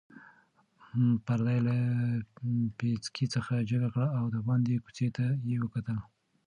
پرده یې له پیڅکې څخه جګه کړه او د باندې کوڅې ته یې وکتل.